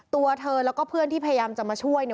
ตัวเธอแล้วก็เพื่อนที่พยายามจะมาช่วย